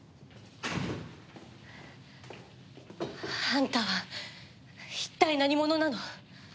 あんたは一体何者なの？